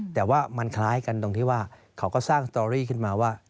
แต่ว่ามันคล้ายกันตรงที่ว่าเขาก็สร้างสตอรี่ขึ้นมาว่า